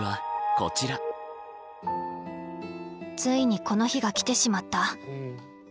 ついにこの日が来てしまった。